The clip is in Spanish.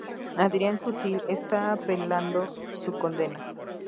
Adrian Sutil está apelando su condena.